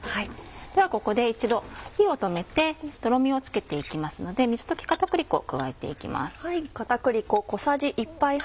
ではここで一度火を止めてとろみをつけていきますので水溶き片栗粉を加えていきます。